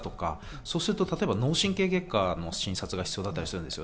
そうすると脳神経外科の診察が必要だったりするんです。